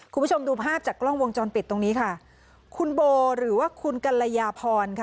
คุณผู้ชมดูภาพจากกล้องวงจรปิดตรงนี้ค่ะคุณโบหรือว่าคุณกัลยาพรค่ะ